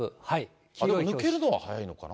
けど抜けるのは早いのかな？